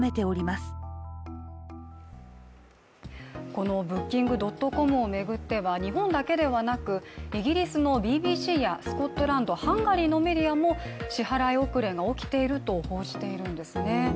このＢｏｏｋｉｎｇ．ｃｏｍを巡っては日本だけではなく、イギリスのＢＢＣやスコットランド、ハンガリーのメディアも支払い遅れが起きていると報じているんですね